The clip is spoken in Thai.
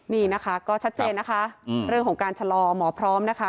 นี่นะคะก็ชัดเจนนะคะเรื่องของการชะลอหมอพร้อมนะคะ